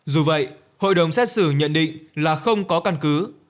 dù vậy hội đồng xét xử nhận định là không có căn cứ